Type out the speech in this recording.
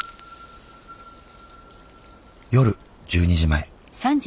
夜１２時前。